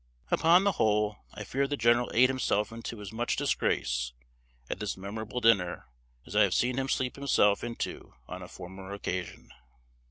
Upon the whole, I fear the general ate himself into as much disgrace, at this memorable dinner, as I have seen him sleep himself into on a former occasion.